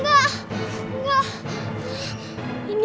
mais yang sampai disini